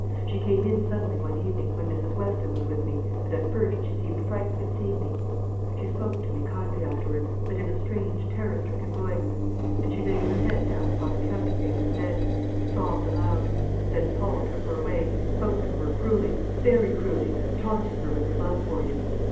She came in suddenly one evening, when Mrs. Weston was with me, and at first she seemed frightened at seeing me. She spoke to me kindly afterwards, but in a strange, terror stricken voice; and she laid her head down upon the counterpane of the bed, and sobbed aloud; and then Paul took her away, and spoke to her cruelly, very cruelly taunting her with her love for you.